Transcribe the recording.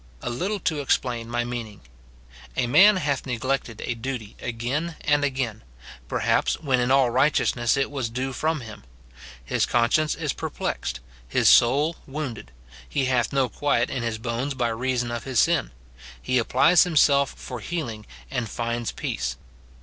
A little to explain my meaning : A man hath neglected a duty again and again, perhaps, ■yyhen in all righteousness it was due from him ; his eon science is perplexed, his soul wounded, he hath no quiet in his bones by reason of his sin ; he applies himself for healing, and finds peace.